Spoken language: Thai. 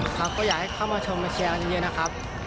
ครับก็อยากให้เข้ามาชมมาแชร์เย็นนะครับ